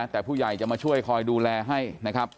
แต่ผู้ใหญ่จะมาช่วยคอยดูแลให้นะครับ